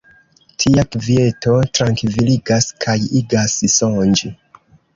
Tia kvieto trankviligas kaj igas sonĝi.